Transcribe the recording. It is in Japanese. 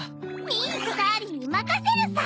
ミーとダーリンに任せるさ！